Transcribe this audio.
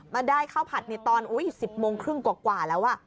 มาได้ข้าวผัดตอน๑๐โมงครึ่งกว่าแล้ว